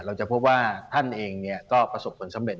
เราจะพบว่าท่านเองเนี่ยก็ประสบควรสำเร็จ